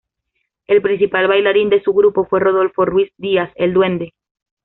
El principal bailarín de su grupo fue Rodolfo Ruiz Díaz, "el Duende".